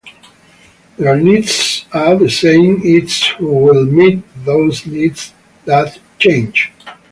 Their needs are the same- it's who will meet those needs that changes.